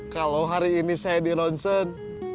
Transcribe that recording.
kalau hari ini saya di ronsen